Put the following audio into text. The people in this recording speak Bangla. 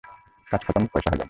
কাজ খতম পয়সা হজম।